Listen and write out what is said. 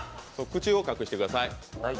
口を隠してください。